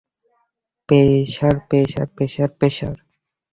Pressure, pressure, pressure, pressure!